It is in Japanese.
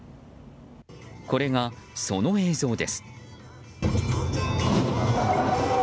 これが、その映像です。